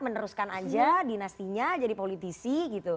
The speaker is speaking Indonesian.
meneruskan saja dinastinya jadi politisi